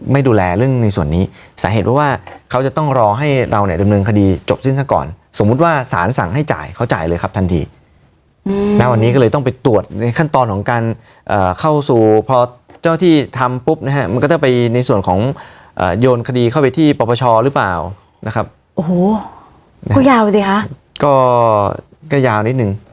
ไม่ดูแลเรื่องในส่วนนี้สาเหตุเพราะว่าเขาจะต้องรอให้เราเนี่ยดำเนินคดีจบสิ้นซะก่อนสมมุติว่าสารสั่งให้จ่ายเขาจ่ายเลยครับทันทีณวันนี้ก็เลยต้องไปตรวจในขั้นตอนของการเข้าสู่พอเจ้าที่ทำปุ๊บนะฮะมันก็จะไปในส่วนของโยนคดีเข้าไปที่ปปชหรือเปล่านะครับโอ้โหยาวสิคะก็ก็ยาวนิดนึง